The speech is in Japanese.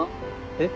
えっ？